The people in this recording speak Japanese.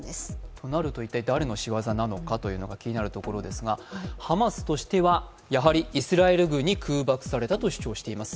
となると一体、誰のしわざなのかが気になるところですが、ハマスとしては、やはりイスラエル軍に空爆されたと主張しています。